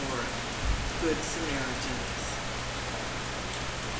GOOD SAMARITANS.